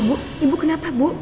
ibu ibu kenapa bu